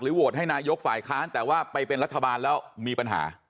โหวตให้นายกฝ่ายค้านแต่ว่าไปเป็นรัฐบาลแล้วมีปัญหา